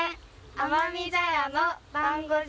「甘味茶屋のだんご汁」